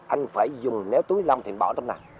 anh phải dùng nếu túi lông thì bỏ trong này